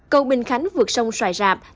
cầu bình khánh vượt sông xoài rạp